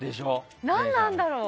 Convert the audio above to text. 何なんだろう？